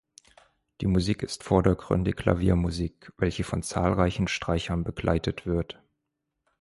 Die Musik ist vordergründig Klaviermusik, welche von zahlreichen Streichern begleitet wird.